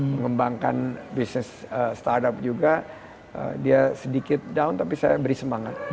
mengembangkan bisnis startup juga dia sedikit down tapi saya beri semangat